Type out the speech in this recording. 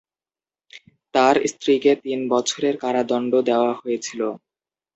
তার স্ত্রীকে তিন বছরের কারাদণ্ড দেওয়া হয়েছিল।